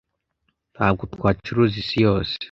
ntabwo twacuruza isi yose